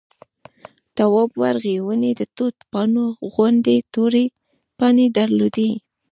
تواب ورغی ونې د توت پاڼو غوندې تورې پاڼې درلودې.